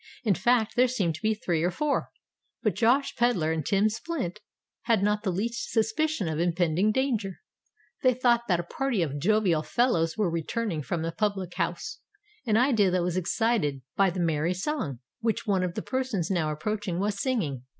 In fact, there seemed to be three or four; but Josh Pedler and Tim Splint had not the least suspicion of impending danger: they thought that a party of jovial fellows were returning from the public house—an idea that was excited by the merry song which one of the persons now approaching was singing.